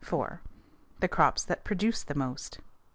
_The crops that produce the most.